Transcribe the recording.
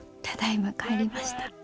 ただいま帰りました。